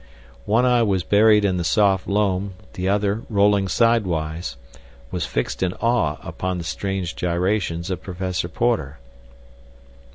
One eye was buried in the soft loam; the other, rolling sidewise, was fixed in awe upon the strange gyrations of Professor Porter.